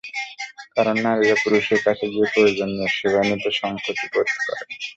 কারণ নারীরা পুরুষের কাছে গিয়ে প্রয়োজনীয় সেবা নিতে সংকোচ বোধ করেন।